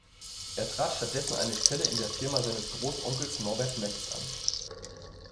Er trat stattdessen eine Stelle in der Firma seines Großonkels Norbert Metz an.